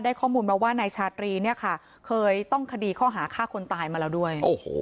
ข้อมูลมาว่านายชาตรีเนี่ยค่ะเคยต้องคดีข้อหาฆ่าคนตายมาแล้วด้วย